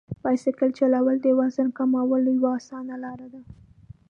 بایسکل چلول د وزن کمولو یوه اسانه لار ده.